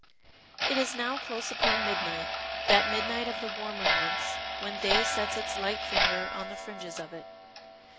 It is now close upon midnight that midnight of the warmer months when day sets its light finger on the fringes of it.